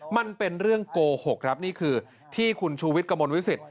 มันเป็นเรื่องโกหกครับนี่คือที่คุณชูวิทย์กระมวลวิสิต